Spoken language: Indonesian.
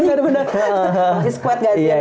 bener bener masih squad gak sih